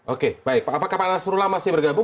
oke baik apakah pak nasrullah masih bergabung